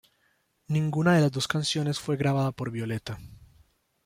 Ninguna de las dos canciones fue grabada por Violeta.